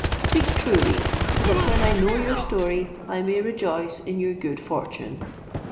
Speak truly, that when I know your story, I may rejoice in your good fortune.